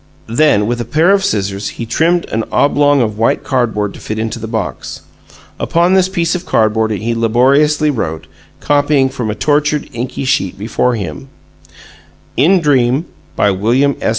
Then, with a pair of scissors, he trimmed an oblong of white cardboard to fit into the box. Upon this piece of cardboard he laboriously wrote, copying from a tortured, inky sheet before him: IN DREAM BY WILLIAM S.